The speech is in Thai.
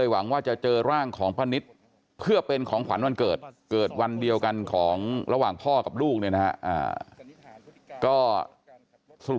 วันเกิดเกิดวันเดียวกันของระหว่างพ่อกับลูกเนี่ยนะฮะก็สรุป